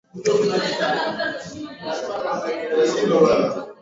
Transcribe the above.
Chris hakufika mapema